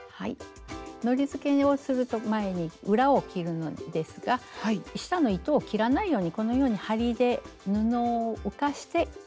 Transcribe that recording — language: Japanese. のりづけをする前に裏を切るのですが下の糸を切らないようにこのように針で布を浮かして。